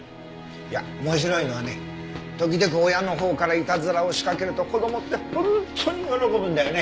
いや面白いのはね時々親のほうからイタズラを仕掛けると子供って本当に喜ぶんだよね。